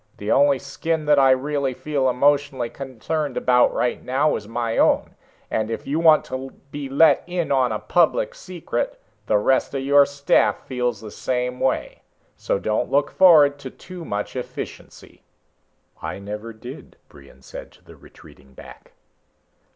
The only skin that I really feel emotionally concerned about right now is my own. And if you want to be let in on a public secret the rest of your staff feels the same way. So don't look forward to too much efficiency." "I never did," Brion said to the retreating back.